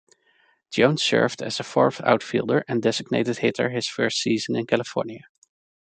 Jones served as a fourth outfielder and designated hitter his first season in California.